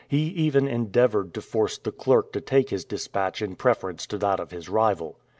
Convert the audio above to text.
He even endeavored to force the clerk to take his dispatch in preference to that of his rival.